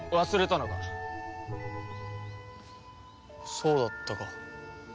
そうだったか。